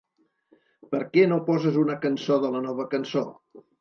Per què no poses una cançó de la Nova Cançó?